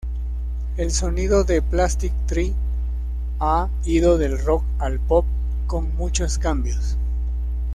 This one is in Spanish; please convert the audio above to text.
El sonido de Plastic Tree ha ido del rock al pop con muchos cambios.